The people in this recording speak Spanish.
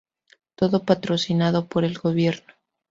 Todo patrocinado por el gobierno.